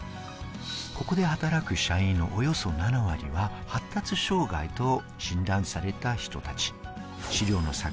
ここで働く社員のおよそ７割は、発達障害と診断された人たち。